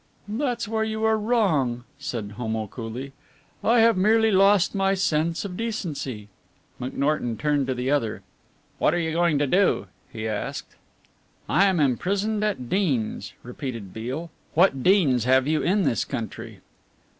"That's where you are wrong," said Homo coolly: "I have merely lost my sense of decency." McNorton turned to the other. "What are you going to do?" he asked. "'I am imprisoned at Deans,'" repeated Beale. "What 'Deans' have you in this country?"